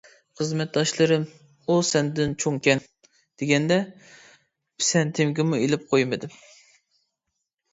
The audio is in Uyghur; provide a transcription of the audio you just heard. خىزمەتداشلىرىم «ئۇ سەندىن چوڭكەن» دېگەندە پىسەنتىمگىمۇ ئېلىپ قويمىدىم.